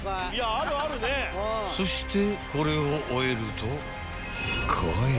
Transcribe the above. ［そしてこれを終えると］